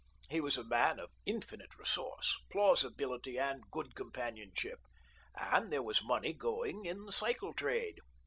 He was a man of infinite resource, plausibility and good companionship, and there was money going in the cycle trade.